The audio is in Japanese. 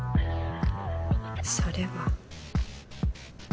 それは。